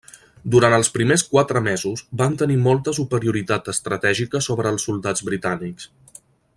Durant els primers quatre mesos van tenir molta superioritat estratègica sobre els soldats britànics.